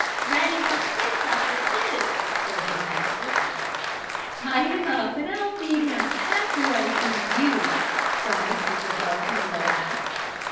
"Ruddy wants his supper, too," said his master. "Tie him up and I'll feed him after I feed you," promised Mrs. Dalton with a laugh.